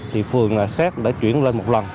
thì phường xét để chuyển lên một lần